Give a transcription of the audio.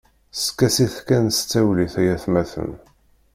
Skasit kan s talwit ay atmaten.